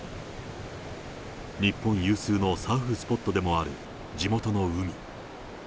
日本有数のサーフスポットでもある地元の海。